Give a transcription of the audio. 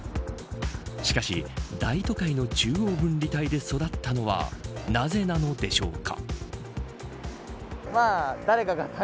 しかし、大都会の中央分離帯で育ったのはなぜなのでしょうか。